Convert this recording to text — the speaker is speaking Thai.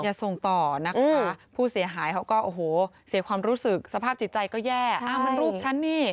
อย่าส่งต่อนะคะผู้เสียหายเขาก็โอ้โหเสียความรู้สึกสภาพจิตใจก็แย่อ้าวมันรูปฉันนี่